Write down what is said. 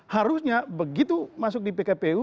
harusnya begitu masuk di pkpu